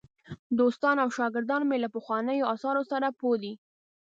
دوستان او شاګردان مې له پخوانیو آثارو سره پوه دي.